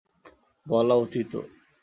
বলা উচিতও!